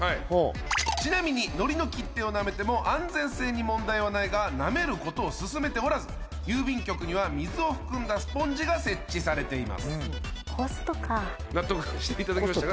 ちなみにノリの切手をなめても安全性に問題はないがなめることをすすめておらず郵便局には水を含んだスポンジが設置されていますコストか納得していただけましたか？